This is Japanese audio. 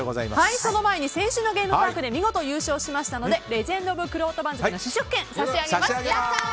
その前に先週のゲームパークで見事優勝しましたのでレジェンド・オブ・くろうと番付の試食券を差し上げます。